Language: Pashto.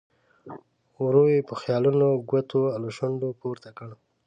ورو یې په خیالولو ګوتو له شونډو پورته کړ.